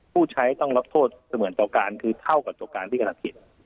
ผู้ใช้ต้องรับโทษเสมือนต่อการคือเท่ากับต่อการที่กระทำผิด